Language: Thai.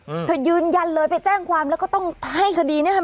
อืมเธอยืนยันเลยไปแจ้งความแล้วก็ต้องให้คดีเนี้ย